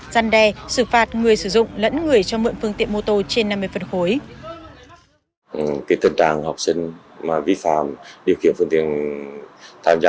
gian đe xử phạt người sử dụng lẫn người cho mượn phương tiện mô tô trên năm mươi phân khối